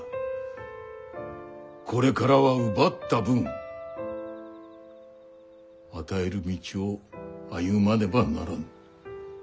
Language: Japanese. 「これからは奪った分与える道を歩まねばならぬ。